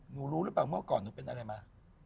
รู้หรือเปล่าเมื่อก่อนหนูเป็นอะไรมา